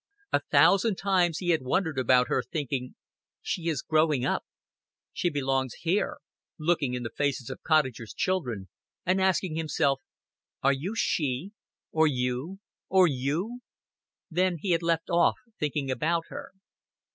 A thousand times he had wondered about her thinking: "She is growing up. She belongs here;" looking in the faces of cottagers' children and asking himself: "Are you she? Or you? Or you?" Then he had left off thinking about her.